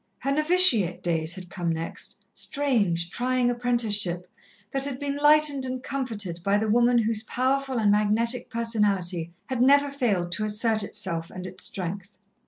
Her novitiate days had come next strange, trying apprenticeship, that had been lightened and comforted by the woman whose powerful and magnetic personality had never failed to assert itself and its strength.